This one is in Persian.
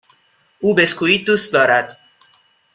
او بیسکوییت دوست دارد.